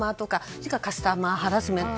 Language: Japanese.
それからカスタマーハラスメント。